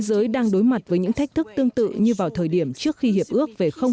giới đang đối mặt với những thách thức tương tự như vào thời điểm trước khi hiệp ước về không